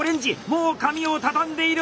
もう紙を畳んでいる！